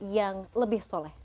yang lebih soleh